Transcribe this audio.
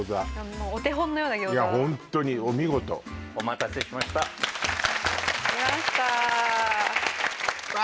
もうお手本のような餃子いやホントにお見事お待たせしました来ましたうわ